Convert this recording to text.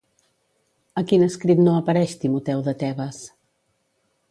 A quin escrit no apareix Timoteu de Tebes?